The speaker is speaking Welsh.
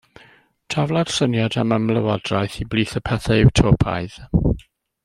Tafla'r syniad am ymlywodraeth i blith y pethau Utopaidd.